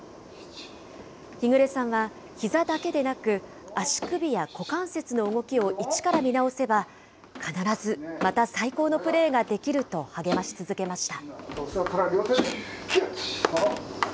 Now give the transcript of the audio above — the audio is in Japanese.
日暮さんは、ひざだけでなく、足首や股関節の動きを一から見直せば、必ず、また最高のプレーができると励まし続けました。